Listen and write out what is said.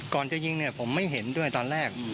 ก่อนจะยิงเนี่ยผมไม่เห็นด้วยตอนแรก